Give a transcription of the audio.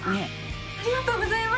ありがとうございます。